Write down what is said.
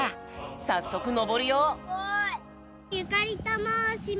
さっそくのぼるよ！